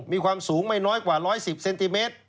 มีความสูงไม่น้อยกว่า๑๑๐เซนติเมตร